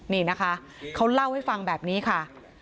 นี่นะคะเขาเล่าให้ฟังแบบนี้ค่ะ